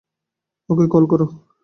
ওকে call কর।